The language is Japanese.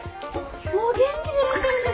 お元気でいらっしゃるんですね。